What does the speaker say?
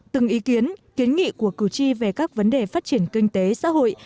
từng ý kiến kiến nghị của cử tri về các vấn đề phát triển kinh tế xã hội